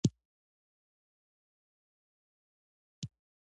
دځنګل حاصلات د افغانانو ژوند په بېلابېلو ډولونو اغېزمنوي.